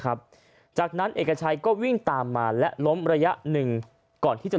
ครับจากนั้นเอกชัยก็วิ่งตามมาและล้มระยะหนึ่งก่อนที่จะ